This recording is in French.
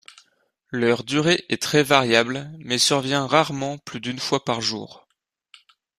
Leur durée est très variable mais survient rarement plus d'une fois par jour.